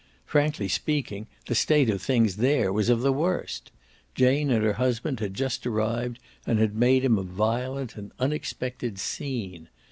Frankly speaking, the state of things there was of the worst. Jane and her husband had just arrived and had made him a violent, an unexpected scene.